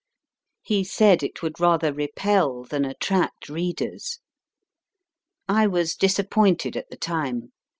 He said it would rather repel than attract readers. I was disappointed at the time.